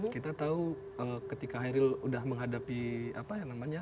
kita tahu ketika hairil sudah menghadapi apa ya namanya